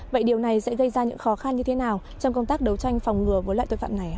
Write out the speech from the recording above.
vậy điều này sẽ gây ra những khó khăn như thế nào trong công tác đấu tranh phòng ngừa với loại tội phạm này